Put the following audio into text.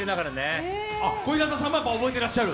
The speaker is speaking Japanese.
小日向さんも覚えていらっしゃる？